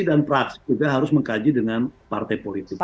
dan praksi juga harus mengkaji dengan partai politik